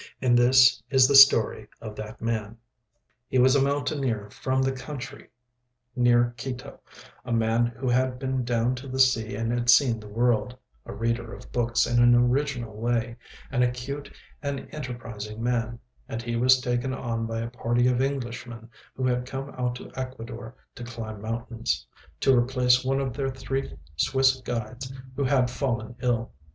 And this is the story of that man. He was a mountaineer from the country near Quito, a man who had been down to the sea and had seen the world, a reader of books in an original way, an acute and enterprising man, and he was taken on by a party of Englishmen who had come out to Ecuador to climb mountains, to replace one of their three Swiss guides who had fallen ill.